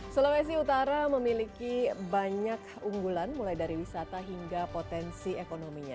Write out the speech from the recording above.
sulawesi utara memiliki banyak unggulan mulai dari wisata hingga potensi ekonominya